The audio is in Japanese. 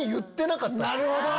なるほど！